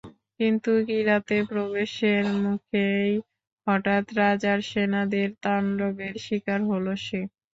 কিন্তু কিরাতে প্রবেশের মুখেই হঠাৎ রাজার সেনাদের তাণ্ডবের শিকার হলো সে।